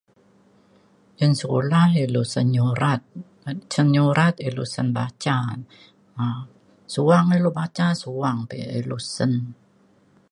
cin sekula ilu sen nyurat. cin nyurat ilu sen baca. um suang ilu baca suang pa yak ilu sen